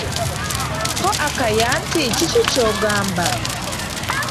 Ko Akaya nti kiki kyogamba?